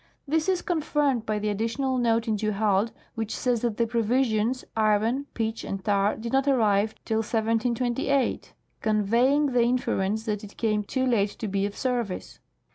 This is confirmed by the additional note in du Halde, which says that the provisions, iron, pitch, and tar did not arrive till 1728, conve3dng the inference that it came too late to be of serv ice.